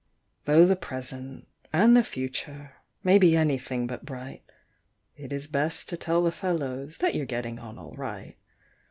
Though the present and the future may be anything but bright. It is best to tell the fellows that you're getting on all right.